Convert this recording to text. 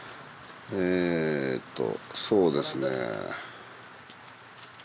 えっとそうですね。